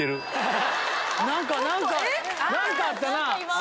何か何かあったな！